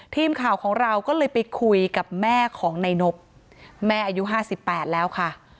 ทีมข่าวของเราก็เลยไปคุยกับแม่ของนายนบแม่อายุ๕๘แล้วค่ะ